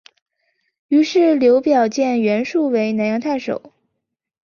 于是刘表荐袁术为南阳太守。